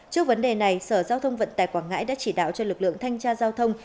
trước vấn đề này sở giao thông vận tải quảng ngãi đã chỉ đạo cho lực lượng thanh tra giao thông